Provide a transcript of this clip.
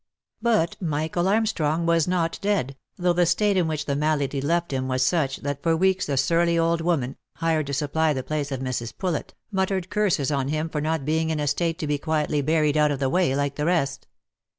But Michael Armstrong was not dead, though the state in which the malady left him was such, that for weeks the surly old woman, hired to supply the place of Mrs. Poulet, mut tered curses on him for not being in a state to be quietly buried out of the way, like the rest.